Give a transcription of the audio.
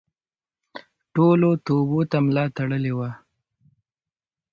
ټولو توبو ته ملا تړلې وه.